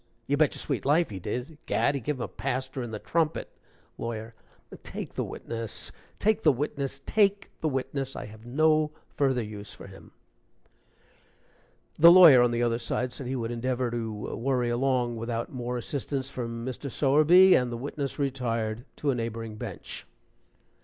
"You bet your sweet life he did. Gad! he gave him a paster in the trumpet " LAWYER. "Take the witness! take the witness! take the witness! I have no further use for him." The lawyer on the other side said he would endeavor to worry along without more assistance from Mr. Sowerby, and the witness retired to a neighboring bench.